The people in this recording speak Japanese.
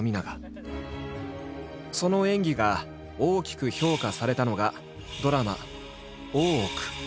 その演技が大きく評価されたのがドラマ「大奥」。